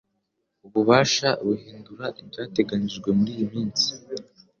ububasha buhindura ibyateganyijwe muriyi minsi